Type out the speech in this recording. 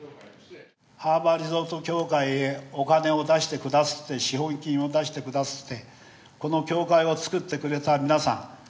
ハーバーリゾート協会へお金を出してくだすって資本金を出してくだすってこの協会を作ってくれた皆さん。